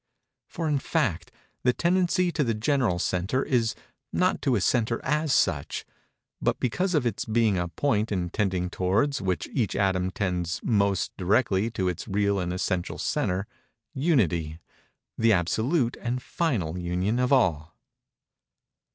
For, in fact, the tendency to the general centre is not to a centre as such, but because of its being a point in tending towards which each atom tends most directly to its real and essential centre, Unity—the absolute and final Union of all.